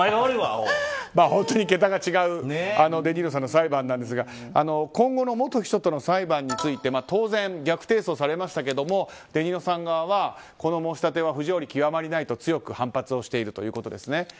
本当に桁が違うデ・ニーロさんの裁判ですが今後の元秘書との裁判について当然、逆提訴されましたけどもデ・ニーロさん側はこの申し立ては不条理極まりないと強く反発をしているということです。